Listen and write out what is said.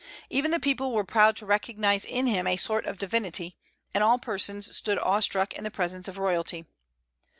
Even the people were proud to recognize in him a sort of divinity, and all persons stood awe struck in the presence of royalty.